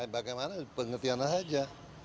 bagaimana pengertianlah saja